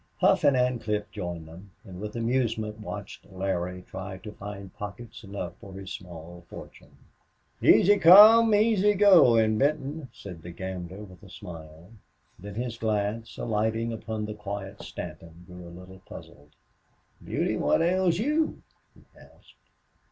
Hough and Ancliffe joined them and with amusement watched Larry try to find pockets enough for his small fortune. "Easy come, easy go in Benton," said the gambler, with a smile. Then his glance, alighting upon the quiet Stanton, grew a little puzzled. "Beauty, what ails you?" he asked.